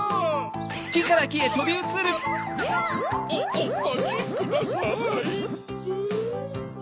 おまちください！